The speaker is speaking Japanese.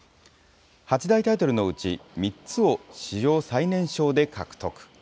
八大タイトルのうち３つを史上最年少で獲得。